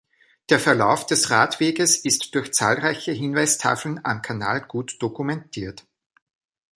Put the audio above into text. Der Verlauf des Radweges ist durch zahlreiche Hinweistafeln am Kanal gut dokumentiert.